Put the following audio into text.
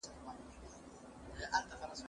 ونه د بزګر له خوا اوبه کيږي!!